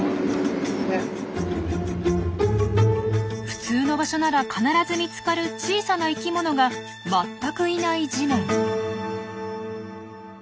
普通の場所なら必ず見つかる小さな生きものが全くいない地面。